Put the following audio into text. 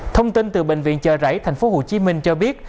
thông tin từ bệnh viện chợ rẫy tp hcm cho biết